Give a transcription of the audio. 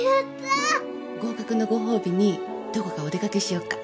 合格のご褒美にどこかお出掛けしようか？